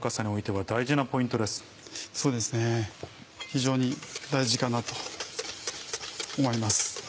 非常に大事かなと思います。